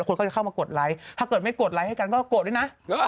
คนก็จะเข้ามากดไลค์ถ้าเกิดไม่กดไลค์ให้กันก็โกรธด้วยนะ